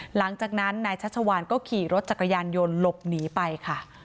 หลังจากนั้นนายชัชวานก็ขี่รถจักรยานยนต์หลบหนีไปค่ะ